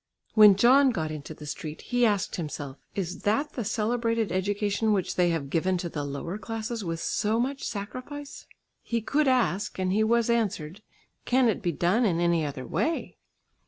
When John got into the street, he asked himself "Is that the celebrated education which they have given to the lower classes with so much sacrifice?" He could ask, and he was answered, "Can it be done in any other way?"